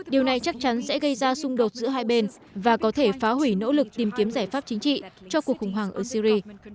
điều này chắc chắn sẽ gây ra xung đột giữa hai bên và có thể phá hủy nỗ lực tìm kiếm giải pháp chính trị cho cuộc khủng hoảng ở syri